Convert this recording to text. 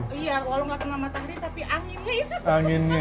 iya kalau nggak kena matahari tapi anginnya itu